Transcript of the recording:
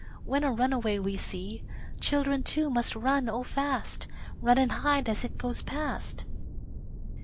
When a runaway we see, Children, too, must run, oh, fast! Run and hide as it goes past!